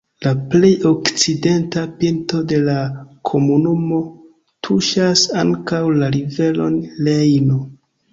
La plej okcidenta pinto de la komunumo tuŝas ankaŭ la riveron Rejno.